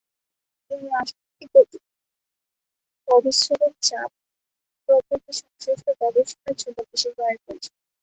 তিনি রাসায়নিক গতিবিদ্যা, অভিস্রবণ চাপ প্রভৃতি সংশ্লিষ্ট গবেষণার জন্য বিশেষভাবে পরিচিত।